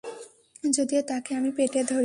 যদিও তাকে আমি পেটে ধরি নি।